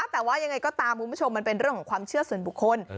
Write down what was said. แต่ว่ายังไงก็ตามคุณผู้ชมมันเป็นเรื่องของความเชื่อส่วนบุคคล